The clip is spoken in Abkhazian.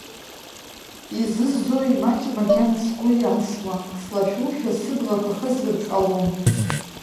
Изызӡои, имаҷым макьана сгәы иасуа, слашәушәа, сыблақәа хызҩаргь ҟалом.